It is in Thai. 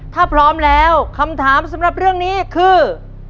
ถ้าพร้อมแล้วคำถามสำหรับเรื่องนี้คือ